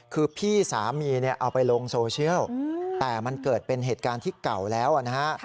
คือพี่สามีเนี่ยเอาไปลงโซเชียลแต่มันเกิดเป็นเหตุการณ์ที่เก่าแล้วนะฮะ